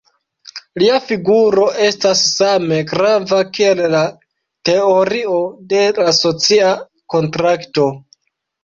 Lia figuro estas same grava kiel la teorio de la socia kontrakto.